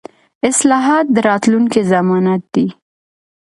اصلاحات د راتلونکي ضمانت دي